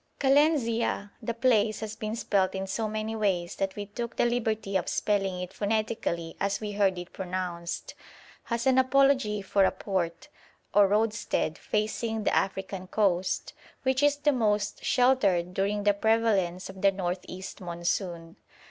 Kalenzia (the place has been spelt in so many ways that we took the liberty of spelling it phonetically as we heard it pronounced) has an apology for a port, or roadstead, facing the African coast, which is the most sheltered during the prevalence of the north east monsoon.